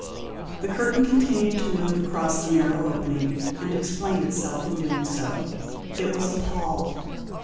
The curtain continued to move across the narrow opening, and explained itself in doing so. It was a pall.